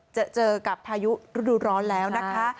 เจอกับพายุฤดูร้อนแล้วนะคะ